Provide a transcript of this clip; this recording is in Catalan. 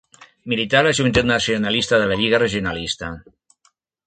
Milità a la Joventut Nacionalista de la Lliga Regionalista.